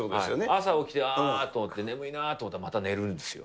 朝起きてあーっと思って、眠いなと思ったらまた寝るんですよ。